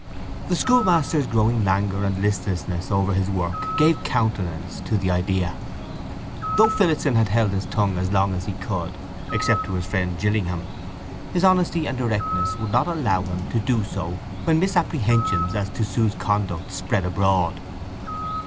The schoolmaster's growing languor and listlessness over his work gave countenance to the idea. Though Phillotson had held his tongue as long as he could, except to his friend Gillingham, his honesty and directness would not allow him to do so when misapprehensions as to Sue's conduct spread abroad.